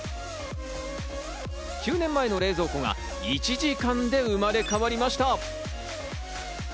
９年前の冷蔵庫が１時間で生まれ変わりました。